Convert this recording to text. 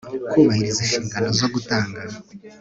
Kubahiriza inshingano zo gutanga